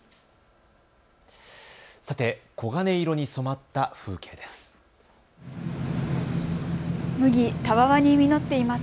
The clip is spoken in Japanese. さて、黄金色に染まった風景です。